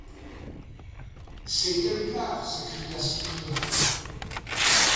C’est Templar! s’écria Cyprien.